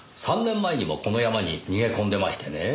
３年前にもこの山に逃げ込んでましてねぇ。